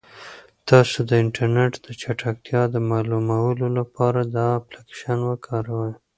تاسو د انټرنیټ د چټکتیا د معلومولو لپاره دا اپلیکیشن وکاروئ.